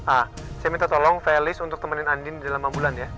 ah saya minta tolong felis untuk temenin andin dalam ambulan ya